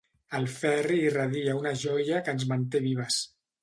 El Ferri irradia una joia que ens manté vives.